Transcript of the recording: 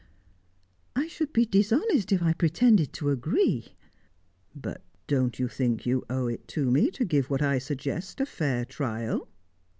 "I should be dishonest if I pretended to agree." "But don't you think you owe it to me to give what I suggest a fair trial?"